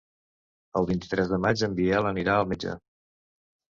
El vint-i-tres de maig en Biel anirà al metge.